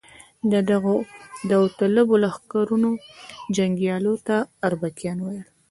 د دغو داوطلبو لښکرونو جنګیالیو ته اربکیان ویل.